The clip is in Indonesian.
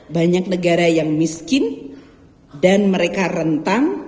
banyak negara yang miskin dan mereka rentang